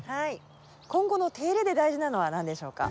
今後の手入れで大事なのは何でしょうか？